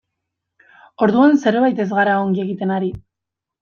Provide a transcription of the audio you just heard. Orduan zerbait ez gara ongi egiten ari.